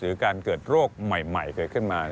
หรือการเกิดโรคใหม่เกิดขึ้นมา